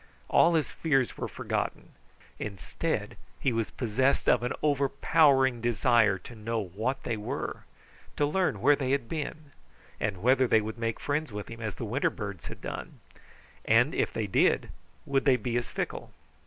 All his fears were forgotten. Instead, he was possessed of an overpowering desire to know what they were, to learn where they had been, and whether they would make friends with him as the winter birds had done; and if they did, would they be as fickle?